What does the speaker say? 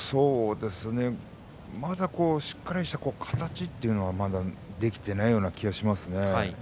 まだしっかりした形というのはできていないような気がしますね。